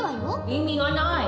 意味がない？